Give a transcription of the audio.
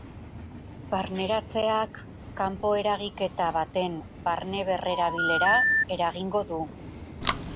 Barneratzeak kanpo-eragiketa baten barne-berrerabilera eragingo du.